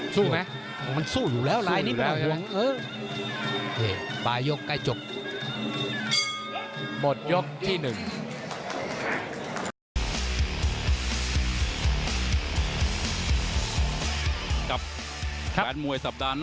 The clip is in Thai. สู้ไหมมันสู้อยู่แล้วลายนี้ก็ได้